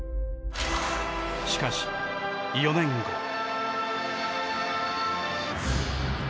しかし、４年後。